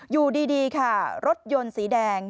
อยู่ดีค่ะรถยนต์สีแดง